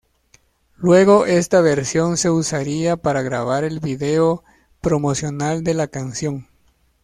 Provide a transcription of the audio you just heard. Luego esta versión se usaría para grabar el video promocional de la canción.